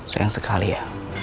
sayang sekali ya